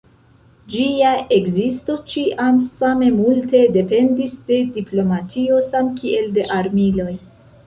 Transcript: Ĝia ekzisto ĉiam same multe dependis de diplomatio samkiel de armiloj.